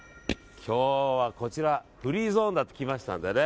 今日はフリーゾーンになってきましたのでね。